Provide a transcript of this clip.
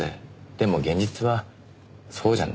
でも現実はそうじゃない。